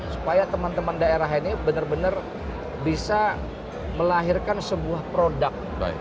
supaya teman teman daerah ini benar benar bisa melahirkan sebuah produk